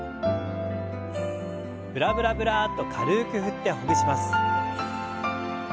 ブラブラブラッと軽く振ってほぐします。